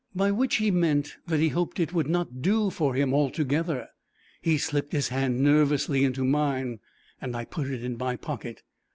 by which he meant that he hoped it would not do for him altogether. He slipped his hand nervously into mine, and I put it in my pocket.